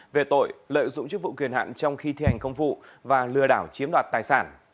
về tội lợi dụng chức vụ quyền hạn trong khi thi hành công vụ và lừa đảo chiếm đoạt tài sản